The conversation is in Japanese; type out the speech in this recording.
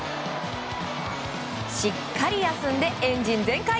しっかり休んでエンジン全開。